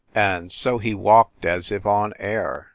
And so he walked as if on air.